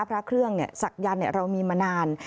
พระเครื่องศักยันต์เรามีมานาน